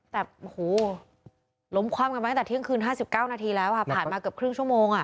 แต่โอ้โหล้มคว่ำกันมาตั้งแต่เที่ยงคืน๕๙นาทีแล้วค่ะผ่านมาเกือบครึ่งชั่วโมง